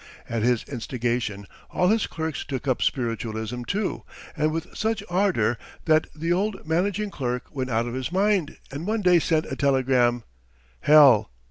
At his instigation all his clerks took up spiritualism, too, and with such ardour that the old managing clerk went out of his mind and one day sent a telegram: "Hell.